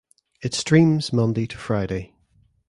It streams Monday to Friday.